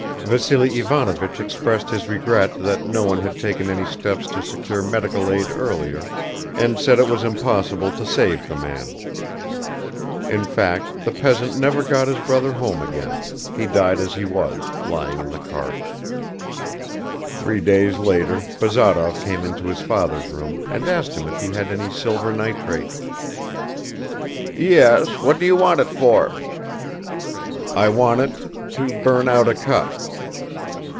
Vassily Ivanovich expressed his regret that no one had taken any steps to secure medical aid earlier and said it was impossible to save the man. In fact the peasant never got his brother home again; he died as he was, lying in the cart. Three days later Bazarov came into his father's room and asked him if he had any silver nitrate. "Yes; what do you want it for?" "I want it ... to burn out a cut."